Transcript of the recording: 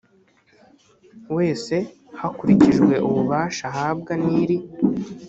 wese hakurikijwe ububasha ahabwa n iri